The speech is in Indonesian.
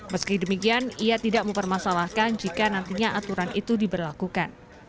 meski demikian ia tidak mempermasalahkan jika nantinya aturan itu diberlakukan